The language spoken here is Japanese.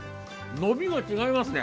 伸びが違いますね。